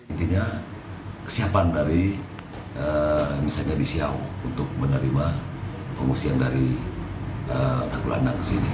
intinya kesiapan dari misalnya di siau untuk menerima pengungsian dari aku anak ke sini